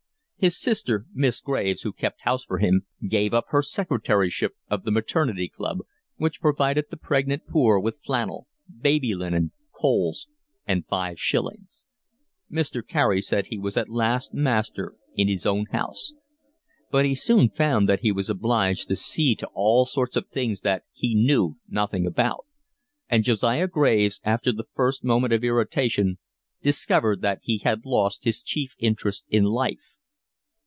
His sister, Miss Graves, who kept house for him, gave up her secretaryship of the Maternity Club, which provided the pregnant poor with flannel, baby linen, coals, and five shillings. Mr. Carey said he was at last master in his own house. But soon he found that he was obliged to see to all sorts of things that he knew nothing about; and Josiah Graves, after the first moment of irritation, discovered that he had lost his chief interest in life.